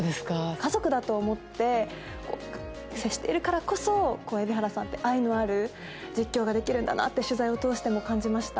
家族だと思って接しているからこそ蛯原さんって愛のある実況ができるんだなって取材を通しても感じました。